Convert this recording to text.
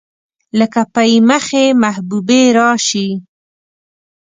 لکه پۍ مخې محبوبې راشي